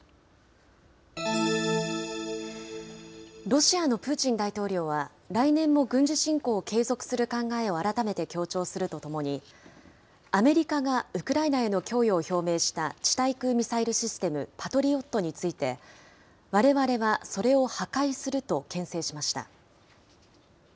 ロシアのプーチン大統領は、来年も軍事侵攻を継続する考えを改めて強調するとともに、アメリカがウクライナへの供与を表明した地対空ミサイルシステム、パトリオットについて、われわれはそれを破壊するとけん制しました。